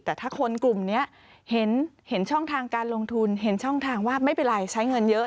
แต่ถ้าคนกลุ่มนี้เห็นช่องทางการลงทุนเห็นช่องทางว่าไม่เป็นไรใช้เงินเยอะ